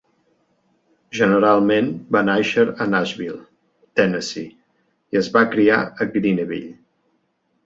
Generalment va nàixer a Nashville, Tennessee i es va criar a Greeneville.